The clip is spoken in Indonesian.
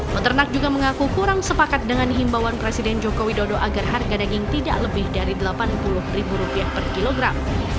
peternak juga mengaku kurang sepakat dengan himbawan presiden joko widodo agar harga daging tidak lebih dari rp delapan puluh per kilogram